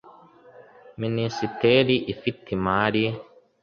minisiteri ifite imari